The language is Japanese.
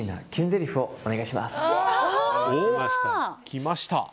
きました！